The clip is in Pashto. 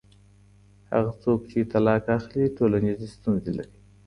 هغه څوک چې طلاق اخلي ټولنیزې ستونزې لري.